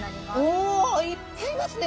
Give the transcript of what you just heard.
おいっぱいいますね。